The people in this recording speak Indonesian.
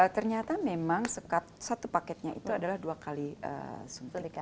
ternyata memang satu paketnya itu adalah dua kali suntikan